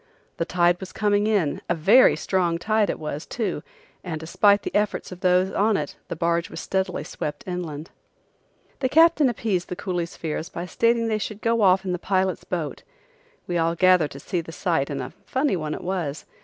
The tide was coming in, a very strong tide it was, too, and despite the efforts of those on it the barge was steadily swept inland. The captain appeased the coolies' fears by stating that they should go off in the pilot's boat. We all gathered to see the sight and a funny one it was!